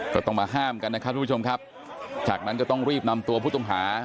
ก็ต้องมาห้ามกันนะครับทุกผู้ชมครับจากนั้นก็ต้องรีบนำตัวผู้ต้องหา